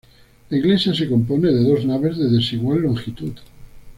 La iglesia se compone de dos naves de desigual longitud.